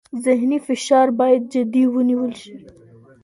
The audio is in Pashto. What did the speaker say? ذهني فشار باید جدي ونیول شي.